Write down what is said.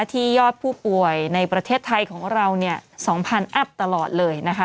ที่ยอดผู้ป่วยในประเทศไทยของเรา๒๐๐อัพตลอดเลยนะคะ